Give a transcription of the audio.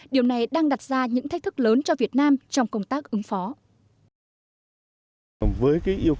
điều này đang đặt ra những thách thức lớn cho việt nam trong công tác ứng phó